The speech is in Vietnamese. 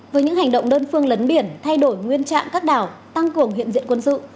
với những hành động đơn phương lấn biển thay đổi nguyên trạng các đảo tăng cường hiện diện quân sự